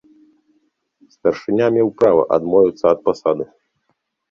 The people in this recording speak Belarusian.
Старшыня меў права адмовіцца ад пасады.